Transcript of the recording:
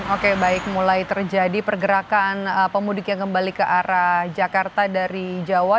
oke baik mulai terjadi pergerakan pemudik yang kembali ke arah jakarta dari jawa